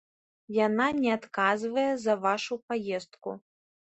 Яна не адказвае за вашу паездку.